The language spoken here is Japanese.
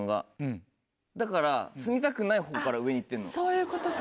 そういうことか。